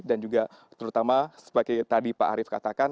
dan juga terutama seperti tadi pak arief katakan